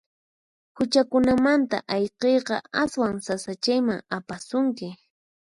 Huchakunamanta ayqiyqa aswan sasachayman apasunki.